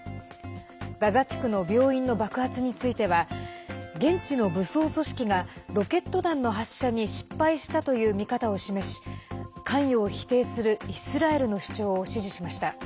ガザ地区の病院の爆発については現地の武装組織がロケット弾の発射に失敗したという見方を示し関与を否定するイスラエルの主張を支持しました。